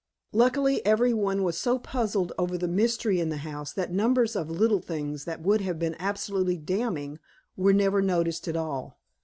Luckily, every one was so puzzled over the mystery in the house that numbers of little things that would have been absolutely damning were never noticed at all.